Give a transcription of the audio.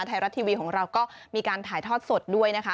ไทยรัฐทีวีของเราก็มีการถ่ายทอดสดด้วยนะคะ